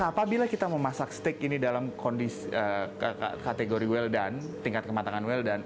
apabila kita memasak steak ini dalam kondisi kategori well done tingkat kematangan well